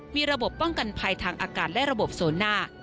มีระบบป้องกันภัยทางอากาศและระบบโซน่า